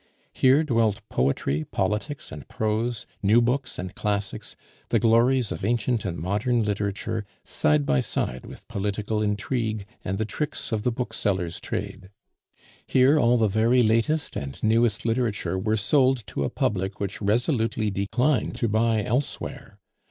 Here dwelt poetry, politics, and prose, new books and classics, the glories of ancient and modern literature side by side with political intrigue and the tricks of the bookseller's trade. Here all the very latest and newest literature were sold to a public which resolutely decline to buy elsewhere.